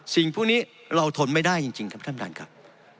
สิ่งพวกนี้เราทนไม่ได้จริงครับท่านประธานครับ